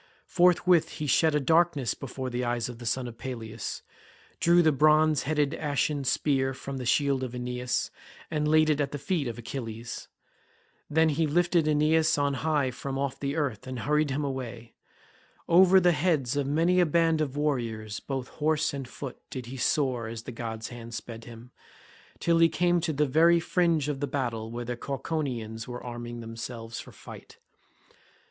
Forthwith he shed a darkness before the eyes of the son of Peleus, drew the bronze headed ashen spear from the shield of Aeneas, and laid it at the feet of Achilles. Then he lifted Aeneas on high from off the earth and hurried him away. Over the heads of many a band of warriors both horse and foot did he soar as the god's hand sped him, till he came to the very fringe of the battle where the Cauconians were arming themselves for fight.